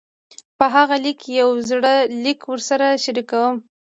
پۀ هغه ليکلے يو زوړ ليک درسره شريکووم -